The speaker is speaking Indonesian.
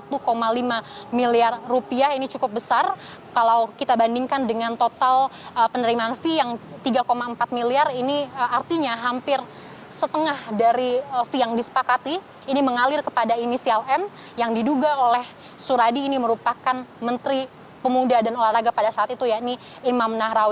ketika menerima saksa ini ada penerimaan yang cukup besar kalau kita bandingkan dengan total penerimaan fee yang tiga empat miliar ini artinya hampir setengah dari fee yang disepakati ini mengalir kepada inisial m yang diduga oleh suradi ini merupakan menteri pemuda dan olahraga pada saat itu yakni imam nahrawi